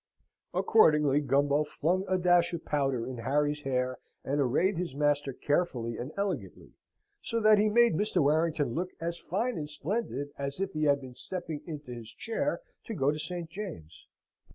Accordingly Gumbo flung a dash of powder in Harry's hair, and arrayed his master carefully and elegantly, so that he made Mr. Warrington look as fine and splendid as if he had been stepping into his chair to go to St. James's.